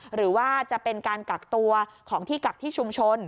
หรือว่าจะเป็นการกักตัวของที่กักที่ชุมชน